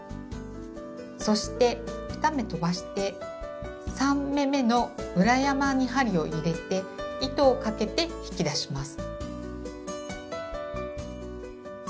そして２目とばして３目めの裏山に針を入れて糸をかけて引き出します。